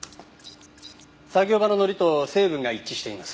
作業場の糊と成分が一致しています。